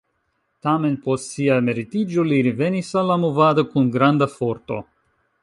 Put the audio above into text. Tamen, post sia emeritiĝo li revenis al la movado kun granda forto.